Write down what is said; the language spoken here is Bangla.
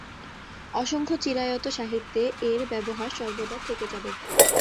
অসংখ্য চিরায়ত সাহিত্যে এর ব্যবহার সর্বদা থেকে যাবে।